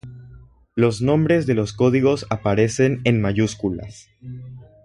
Los nombres de los códigos aparecen en mayúsculas.